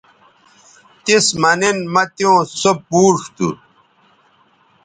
تس مہ نن مہ تیوں سو پوڇ تھو